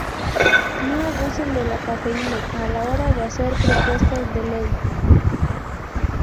no abuses de la cafeína a la hora de hacer propuestas de ley